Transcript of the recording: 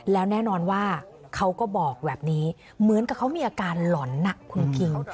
แล้วแน่นอนว่าเขาก็บอกแบบนี้เหมือนกับเขามีอาการหล่อนคุณคิง